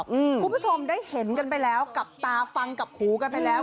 คุณผู้ชมได้เห็นกันไปแล้วกับตาฟังกับหูกันไปแล้ว